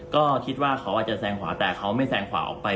ก็คิดว่าเขาอาจจะแซงขวาแต่เขาไม่แซงขวาออกไป